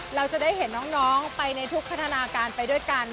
เราจะได้เห็นน้องไปในทุกพัฒนาการไปด้วยกัน